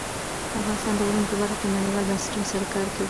افغانستان د غرونه په برخه کې نړیوالو بنسټونو سره کار کوي.